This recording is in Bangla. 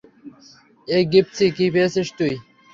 এই গিফসি, কি পেয়েছিস তুই?